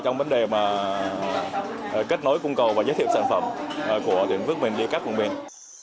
trong vấn đề kết nối cung cầu và giới thiệu sản phẩm của bình phước đi các vùng mình